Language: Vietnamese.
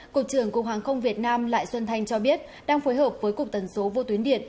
cục trưởng cục hàng không việt nam lại xuân thanh cho biết đang phối hợp với cục tần số vô tuyến điện